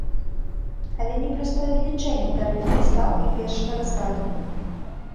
Але не праз павелічэнне тарыфнай стаўкі першага разраду.